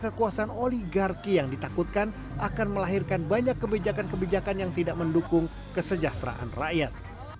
kekuasaan oligarki yang ditakutkan akan melahirkan banyak kebijakan kebijakan yang tidak mendukung kesejahteraan rakyat